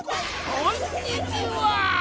こんにちは！